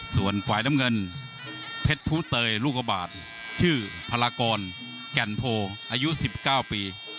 ส่วนฝ่ายน้ำเงินเพชรภูเตยลูกบาทชื่อพลากรแก่นโพอายุ๑๙ปี